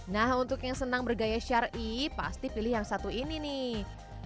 nah untuk yang senang bergaya syari pasti pilih yang satu ini nih